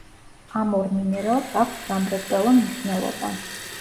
ამ ორ მინერალს აქვს სამრეწველო მნიშვნელობა.